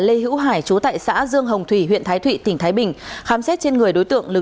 lê hữu hải chú tại xã dương hồng thủy huyện thái thụy tỉnh thái bình khám xét trên người đối tượng lực